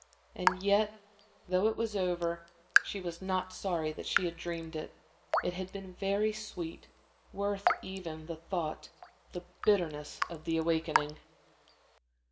And yet, though it was over, she was not sorry that she had dreamed it. It had been very sweet, worth even, she thought, the bitterness of the awakening.